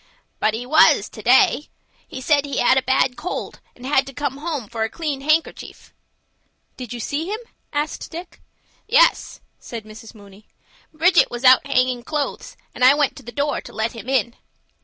"But he was to day. He said he had got a bad cold, and had to come home for a clean handkerchief." "Did you see him?" asked Dick. "Yes," said Mrs. Mooney. "Bridget was hanging out clothes, and I went to the door to let him in."